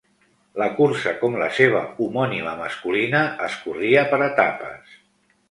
La cursa com la seva homònima masculina, es corria per etapes.